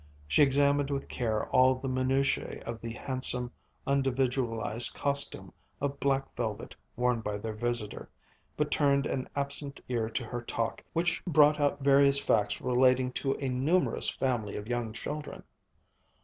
She examined with care all the minutiae of the handsome, unindividualized costume of black velvet worn by their visitor, but turned an absent ear to her talk, which brought out various facts relating to a numerous family of young children.